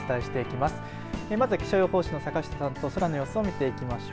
まず気象予報士の坂下さんと空の様子を見ていきましょう。